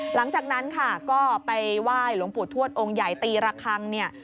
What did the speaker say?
หลังจากนั้นค่ะก็ไปไหว้หลวงปู่ทวดองค์ใหญ่ตีระคังเนี่ย